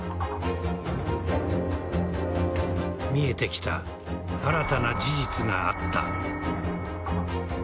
見えてきた新たな事実があった。